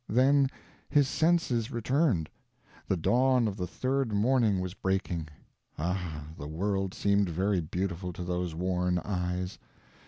Then his senses returned. The dawn of the third morning was breaking. Ah, the world seemed very beautiful to those worn eyes.